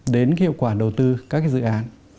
đến hiệu quả đầu tư các dự án